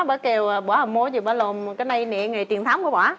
thì bố bà kêu bỏ hầm mối rồi bà lồn cái này nè người truyền thống bà bỏ